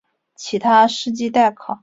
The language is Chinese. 其他事迹待考。